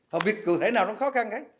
không biết cụ thể nào nó khó khăn cái